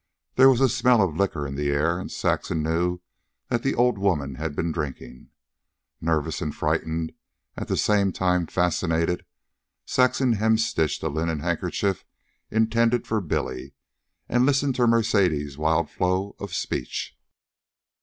There was a smell of liquor in the air and Saxon knew that the old woman had been drinking. Nervous and frightened, at the same time fascinated, Saxon hemstitched a linen handkerchief intended for Billy and listened to Mercedes' wild flow of speech.